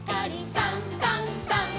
「さんさんさん」